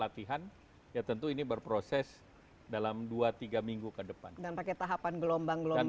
latihan ya tentu ini berproses dalam dua tiga minggu ke depan dan pakai tahapan gelombang gelombang